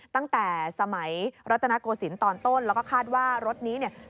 ตั้งแต่สมัยรัตนโกศิลป์ตอนต้นแล้วก็คาดว่ารถนี้เนี่ย